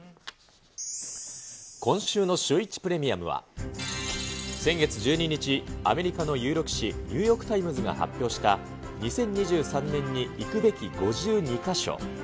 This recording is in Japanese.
今週のシューイチプレミアムは、先月１２日、アメリカの有力紙、ニューヨークタイムズが発表した、２０２３年に行くべき５２か所。